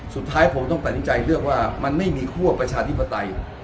สุดท้ายผมต้องตัดสินใจเลือกว่ามันไม่มีคั่วประชาธิปไตย